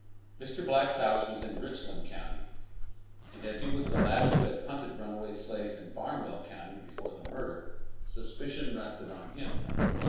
Mr. Black's house was in Richland county, and as he was the last who had hunted runaway slaves in Barnwell county before the murder, suspicion rested on him.